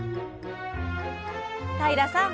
平さん